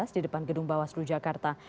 di depan gedung bawah seluruh jakarta